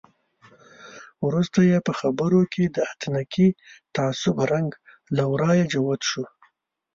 وروسته یې په خبرو کې د اتنیکي تعصب رنګ له ورایه جوت شو.